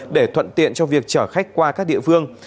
để thuận tiện cho việc chở khách qua các địa phương